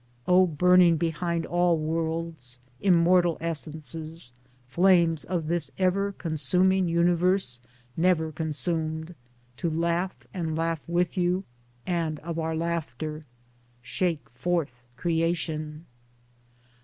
[O burning behind all worlds, immortal Essences, Flames 104 Towards Democracy of this ever consuming universe, never consumed — to laugh and laugh with you, and of our laughter Shake forth creation